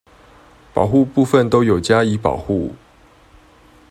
保護部分都有加以保護